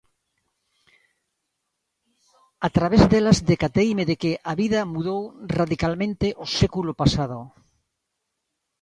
A través delas decateime de que a vida mudou radicalmente o século pasado.